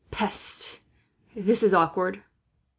Peste! This is awkward."